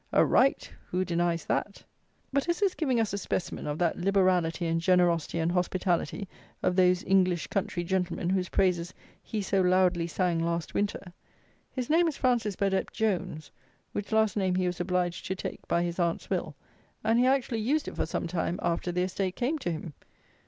A right? Who denies that? But is this giving us a specimen of that "liberality and generosity and hospitality" of those "English Country Gentlemen," whose praises he so loudly sang last winter? His name is Francis Burdett Jones, which last name he was obliged to take by his Aunt's will; and he actually used it for some time after the estate came to him!